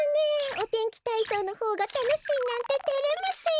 おてんきたいそうのほうがたのしいなんててれますよ。